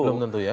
belum tentu ya